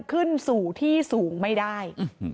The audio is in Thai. ขึ้นสู่ที่สูงไม่ได้